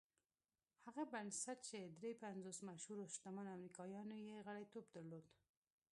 هغه بنسټ چې دري پنځوس مشهورو شتمنو امريکايانو يې غړيتوب درلود.